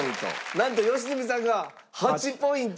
なんと良純さんが８ポイント。